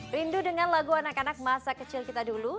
rindu dengan lagu anak anak masa kecil kita dulu